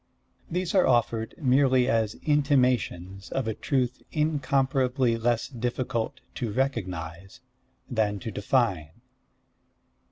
These are offered merely as intimations of a truth incomparably less difficult to recognize than to define.